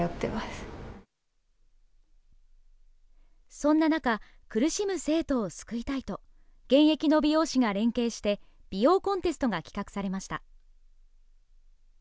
そんな中、苦しむ生徒を救いたいと、現役の美容師が連携して美容コンテストが企画されました。